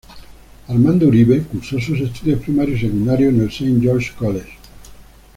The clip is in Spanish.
Armando Uribe cursó sus estudios primarios y secundarios en el Saint George's College.